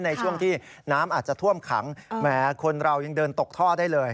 ในช่วงที่น้ำอาจจะท่วมขังแหมคนเรายังเดินตกท่อได้เลย